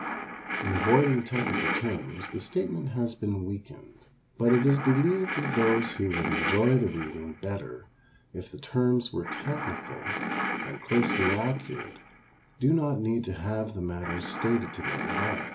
In avoiding technical terms the statement has been weakened, but it is believed that those who would enjoy the reading better if the terms were technical and closely accurate do not need to have the matter stated to them at all.